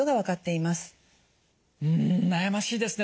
悩ましいですね